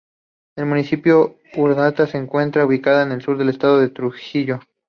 El Municipio Urdaneta se encuentra ubicado al sur del Estado Trujillo.